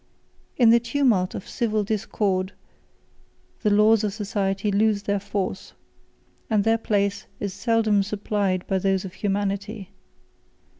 In the tumult of civil discord, the laws of society lose their force, and their place is seldom supplied by those of humanity.